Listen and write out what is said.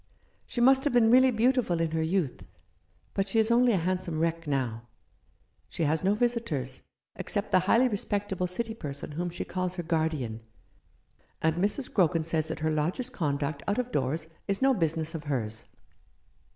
She must have been really beautiful in her youth ; but she is only a handsome wreck now. She has no visitors, except the highly respectable city person whom she calls her guardian ; and Mrs. Grogan says that her lodgers' 20 "How should I greet Tkee?" conduct out of doors is no business of hers.